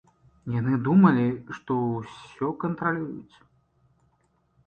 Яны думалі, што ўсё кантралююць.